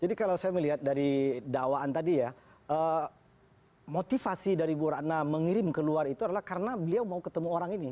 jadi kalau saya melihat dari dakwaan tadi ya motivasi dari ibu ratna mengirim keluar itu adalah karena beliau mau ketemu orang ini